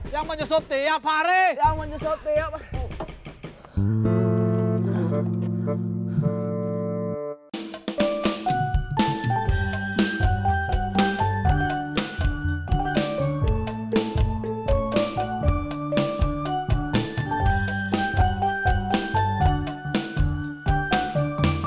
yang menyusup tiap hari yang menyusup tiap hari